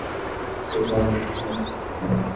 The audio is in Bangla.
শশী তাই প্রাণপণে জীবনকে শ্রদ্ধা করে।